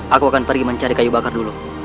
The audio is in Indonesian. aku akan pergi mencari kayu bakar dulu